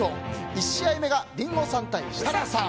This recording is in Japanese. １試合目がリンゴさん対設楽さん。